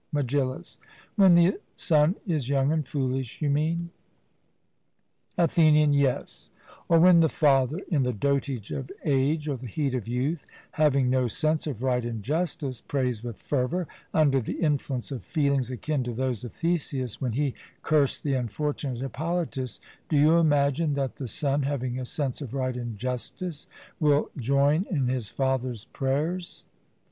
MEGILLUS: When the son is young and foolish, you mean? ATHENIAN: Yes; or when the father, in the dotage of age or the heat of youth, having no sense of right and justice, prays with fervour, under the influence of feelings akin to those of Theseus when he cursed the unfortunate Hippolytus, do you imagine that the son, having a sense of right and justice, will join in his father's prayers?